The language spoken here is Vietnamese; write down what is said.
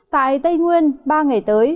tại tây nguyên ba ngày tới